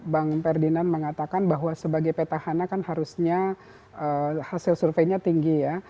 bang ferdinand mengatakan bahwa sebagai petahana kan harusnya hasil surveinya tinggi ya